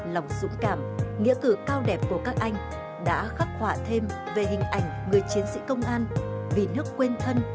lòng dũng cảm nghĩa cử cao đẹp của các anh đã khắc họa thêm về hình ảnh người chiến sĩ công an